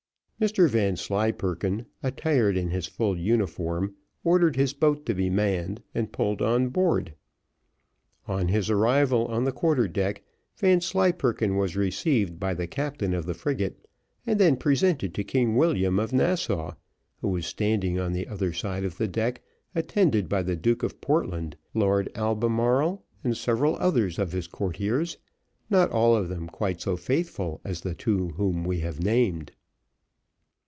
Mr Vanslyperken, attired in his full uniform, ordered his boat to be manned and pulled on board. On his arrival on the quarter deck Vanslyperken was received by the captain of the frigate, and then presented to King William of Nassau, who was standing on the other side of the deck, attended by the Duke of Portland, Lord Albemarle, and several others of his courtiers, not all of them quite as faithful as the two whom we have named.